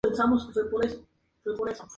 La avenida principal en Ensenada es Reforma.